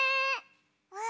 うわ！